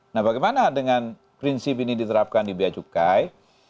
nah bagaimana dengan prinsip ini diterapkan di biaya cukai